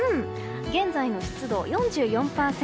現在の湿度４４％。